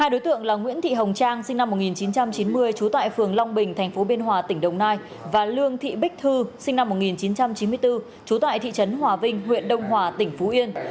hai đối tượng là nguyễn thị hồng trang sinh năm một nghìn chín trăm chín mươi trú tại phường long bình tp biên hòa tỉnh đồng nai và lương thị bích thư sinh năm một nghìn chín trăm chín mươi bốn trú tại thị trấn hòa vinh huyện đông hòa tỉnh phú yên